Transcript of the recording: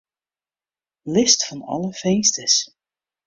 List fan alle finsters.